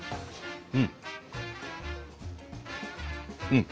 うん！